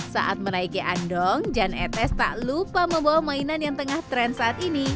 saat menaiki andong jan etes tak lupa membawa mainan yang tengah tren saat ini